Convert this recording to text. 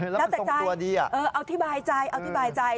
แล้วมันส่งตัวดี